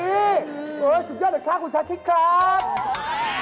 เออสุดยอดเด็ดค่ะคุณชัดคิดครับ